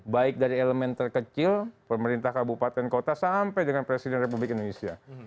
baik dari elemen terkecil pemerintah kabupaten kota sampai dengan presiden republik indonesia